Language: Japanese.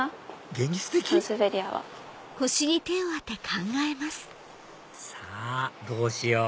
現実的⁉さぁどうしよう？